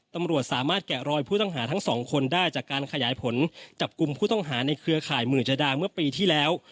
ตำรวจสามารถแกะรอยผู้ต้องหาทั้งสองคนได้จากการขยายผลจับกลุ่มผู้ต้องหาในเครือข่ายหมื่นจดาเมื่อปีที่แล้ว